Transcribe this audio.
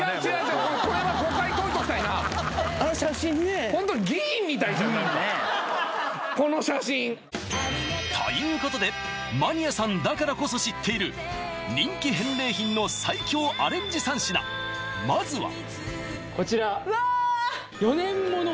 あの写真ねこの写真ということでマニアさんだからこそ知っている人気返礼品の最強アレンジ３品まずはこちらうわ！